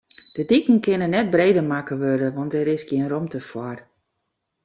De diken kinne net breder makke wurde, want dêr is gjin romte foar.